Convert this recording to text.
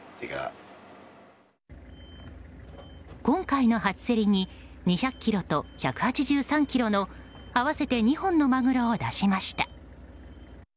今回の初競りに２００ｋｇと１８３ｋｇの合わせて２本のマグロを出しました。